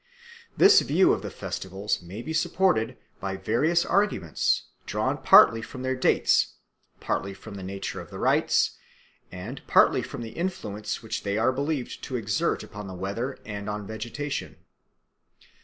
This view of the festivals may be supported by various arguments drawn partly from their dates, partly from the nature of the rites, and partly from the influence which they are believed to exert upon the weather and on vegetation.